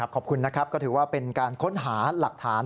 ขอบคุณนะครับก็ถือว่าเป็นการค้นหาหลักฐาน